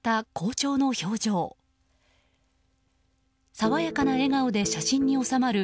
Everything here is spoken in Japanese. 爽やかな笑顔で写真に収まる